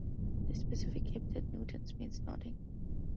The specific epithet ("nutans") means "nodding".